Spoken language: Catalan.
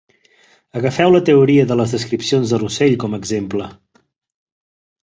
Agafeu la teoria de les descripcions de Russell com a exemple.